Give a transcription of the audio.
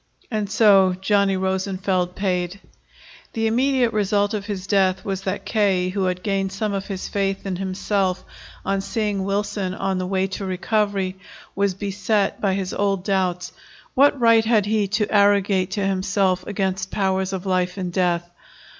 And so Johnny Rosenfeld paid. The immediate result of his death was that K., who had gained some of his faith in himself on seeing Wilson on the way to recovery, was beset by his old doubts. What right had he to arrogate to himself again powers of life and death?